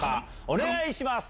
お願いします。